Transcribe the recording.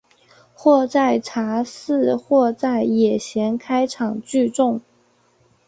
或在茶肆或在野闲开场聚众。